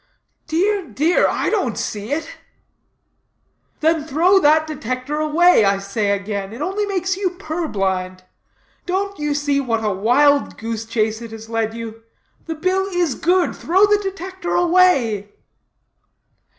"Dear, dear, I don't see it." "Then throw that Detector away, I say again; it only makes you purblind; don't you see what a wild goose chase it has led you? The bill is good. Throw the Detector away."